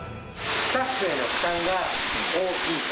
スタッフへの負担が大きいと。